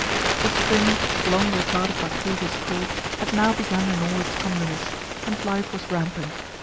The spring, long retarded by previous cold, had now begun in all its comeliness, and life was rampant.